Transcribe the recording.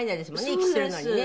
息するのにね。